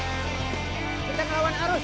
jemret lebih cepat kalau merah